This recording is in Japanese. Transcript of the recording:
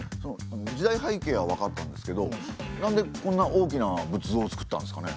時代背景はわかったんですけどなんでこんな大きな仏像を造ったんですかね。